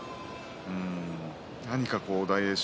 何か大栄翔